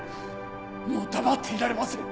もう黙っていられません。